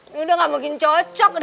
ini udah gak mungkin cocok nih